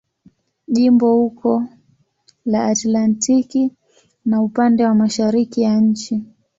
Jimbo uko la Atlantiki na upande wa mashariki ya nchi.